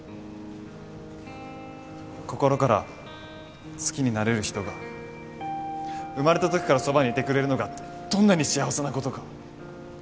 心から好きになれる人が生まれたときからそばにいてくれるのがどんなに幸せなことか。